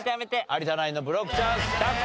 有田ナインのブロックチャンス